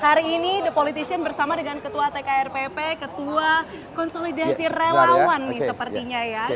hari ini the politician bersama dengan ketua tkrpp ketua konsolidasi relawan nih sepertinya ya